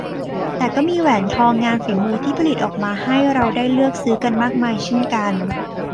แต่ก็มีแหวนทองงานฝีมือที่ผลิตออกมาให้เราได้เลือกซื้อกันมากมายเช่นกัน